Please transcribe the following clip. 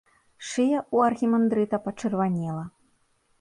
Шыя ў архімандрыта пачырванела.